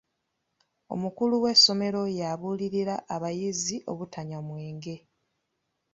Omukulu w'essomero yabuulirira abayizi obutanywa mwenge.